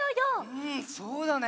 うんそうだね。